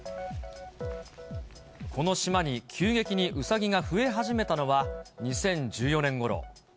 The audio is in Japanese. この島に急激にウサギが増え始めたのは２０１４年ごろ。